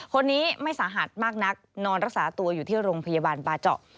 คนนี้ไม่สาหัสมากนักนอนรักษาตัวอยู่ที่โรงพยาบาลบาเจาะ